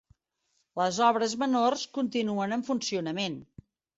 Les obres menors continuen en funcionament.